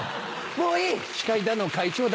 もういい！